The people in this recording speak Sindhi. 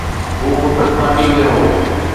هو پيپلز پارٽيءَ ۾ هو.